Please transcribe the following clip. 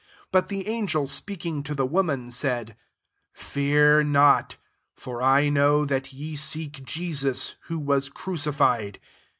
5 But the an gel speaking to the women, said, " Fear not : for I know that ye seek Jesus, who was crucified.